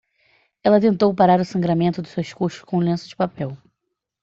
Ela tentou parar o sangramento de suas coxas com um lenço de papel.